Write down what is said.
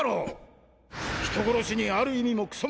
人殺しにある意味もクソもあるか！